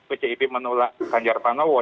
pdip menolak ganjar panowo